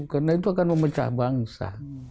karena itu akan memecah bangsa